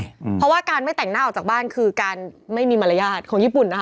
เพราะว่าการไม่แต่งหน้าออกจากบ้านคือการไม่มีมารยาทของญี่ปุ่นนะคะ